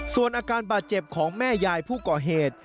ส่วนอาการบาดเจ็บของแม่ยายผู้ก่อเหตุ